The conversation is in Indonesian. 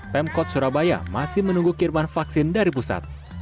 pemkot surabaya masih menunggu kiriman vaksin dari pusat